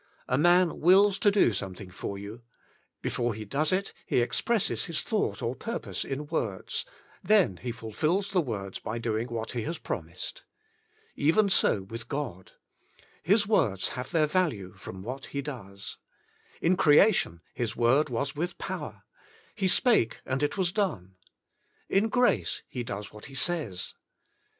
A man wills to do something for you; before he does it, he expresses his thought or purpose in words; then he fulfils the words by doing what he has promised. Even so with God. His words have their value from what He does. In creation His word was with power: He spake and it was done. In grace He does what He says.